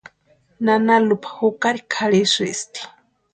Nana Lupa jukari kʼarhisïsti.